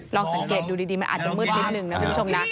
ลองสังเกตดูดีมันอาจจะมืดนิดนึงนะคุณผู้ชมนะ